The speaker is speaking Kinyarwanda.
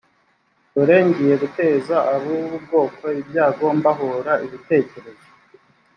dore ngiye guteza ab ubu bwoko ibyago mbahora ibitekerezo